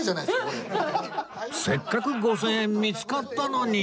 せっかく５０００円見つかったのに